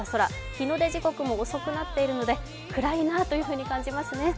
日の出時刻も遅くなっていますので暗いなと感じますね。